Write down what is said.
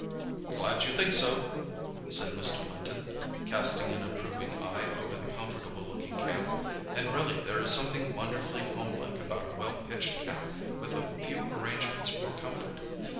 "Glad you think so!" said Mr. Linton, casting an approving eye over the comfortable looking camp, and really there is something wonderfully homelike about a well pitched camp with a few arrangements for comfort.